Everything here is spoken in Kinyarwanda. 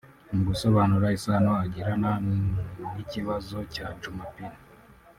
Mu gusobanura isano agirana n’ikibazo cya Djumapili